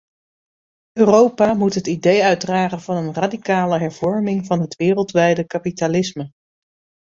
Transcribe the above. Europa moet het idee uitdragen van een radicale hervorming van het wereldwijde kapitalisme.